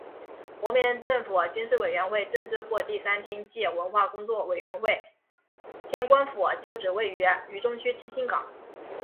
国民政府军事委员会政治部第三厅暨文化工作委员会天官府旧址位于渝中区七星岗。